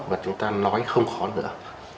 và chúng ta nói không khó nữa